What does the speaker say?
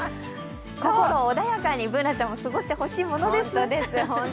心穏やかにＢｏｏｎａちゃんも過ごしてほしいものです。